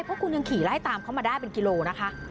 เพราะคุณยังขี่ไล่ตามเขามาได้เป็นกิโลนะคะ